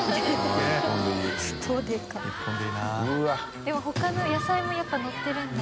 松田）でも他の野菜もやっぱのってるんだ。